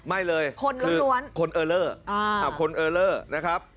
ไม่เลยคนล้วนคนเออเลอร์คนเออเลอร์นะครับ